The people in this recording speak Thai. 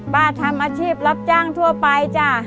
ทำอาชีพรับจ้างทั่วไปจ้ะ